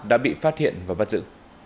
đã bị phát hiện và bắt giữ